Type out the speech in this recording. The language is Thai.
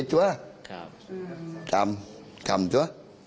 ใช่ครับ